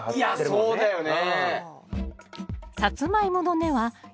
何かそうだよね。